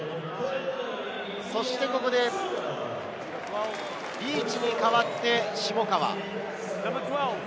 そしてここでリーチに代わって下川。